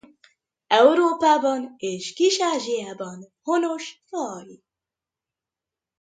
Európában és Kis-Ázsiában honos faj.